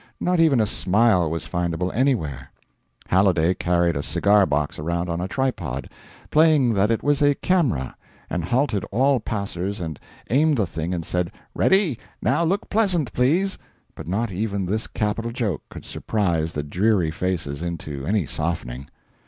Not even a smile was findable anywhere. Halliday carried a cigar box around on a tripod, playing that it was a camera, and halted all passers and aimed the thing and said "Ready! now look pleasant, please," but not even this capital joke could surprise the dreary faces into any softening.